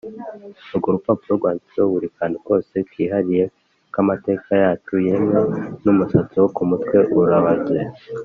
urwo rupapuro rwanditsweho buri kantu kose kihariye k’amateka yacu; yemwe n’umusatsi wo ku mutwe urabaze